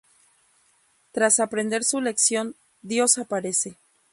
Tras aprender su lección, Dios aparece.